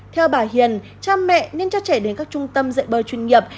theo bà hiền cha mẹ nên cho trẻ đến các trung tâm dạy bơi chuyên nghiệp